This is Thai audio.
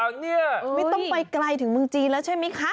ไม่ต้องไปไกลถึงเมืองจีนแล้วใช่ไหมคะ